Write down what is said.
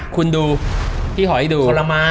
คุณดูพี่หอยดู